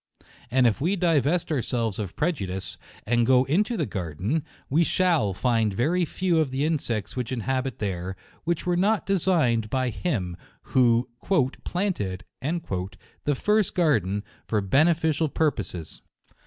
And if we divest ourselves of prejudice, and go into the garden, we shalL find very few of the insects which inhabit there, which were not designed by Him who "planted" the first garden, for beneficial pur poses.